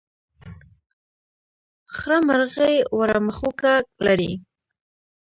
خړه مرغۍ وړه مښوکه لري.